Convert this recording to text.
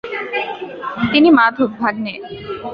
তিনি মাধব, ভাগ্নে!